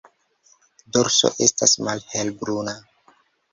Dorso estas malhelbruna.